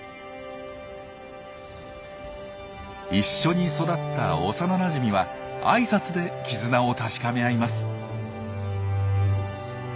一緒に育った幼なじみはあいさつで絆を確かめ合います。